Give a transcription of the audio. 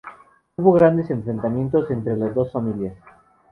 Hubo grandes enfrentamientos entre las dos familias.